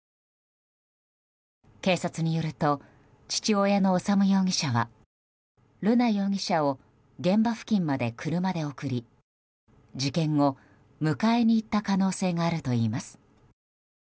警察によると、父親の修容疑者は瑠奈容疑者を現場付近まで車で送り事件後、迎えに行った可能性があるといいます。